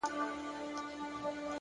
علم د ذهن ظرفیت لوړوي.